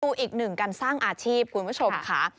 อีกหนึ่งการสร้างอาชีพคุณผู้ชมค่ะ